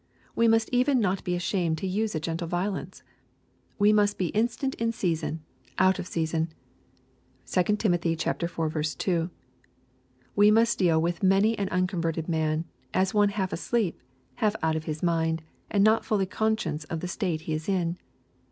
We must even not be ashamed to use a gentle violence. We must be instant in season, out of season. (2 Tim. iv. 2.) We must deal with many an unconverted man, as one half asleep, half out of his mind, and not fully conscious of the state he is in.